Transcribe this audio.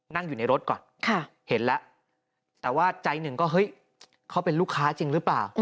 นั่งอยู่ในรถก่อนเห็นแล้วแต่ว่าใจหนึ่งก็เฮ้ยเขาเป็นลูกค้าจริงหรือเปล่า